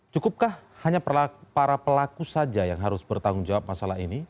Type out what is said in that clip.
cukupkah hanya para pelaku saja yang harus bertanggung jawab masalah ini